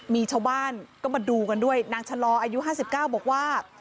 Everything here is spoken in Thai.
มีชาวบ้านก็มาดูกันด้วยนางชะลออายุ๕๙บอกว่า